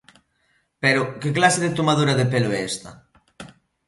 Pero, ¿que clase de tomadura de pelo é esta?